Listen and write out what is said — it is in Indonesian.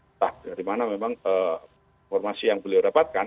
entah dari mana memang informasi yang beliau dapatkan